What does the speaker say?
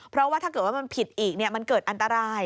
เพราะว่าถ้าเกิดว่ามันผิดอีกมันเกิดอันตราย